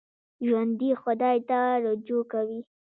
ژوندي خدای ته رجوع کوي